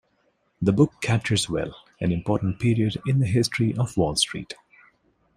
The book captures well an important period in the history of Wall Street.